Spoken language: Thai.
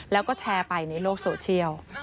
แล้วก็แชร์ไปในโลกโซเชียล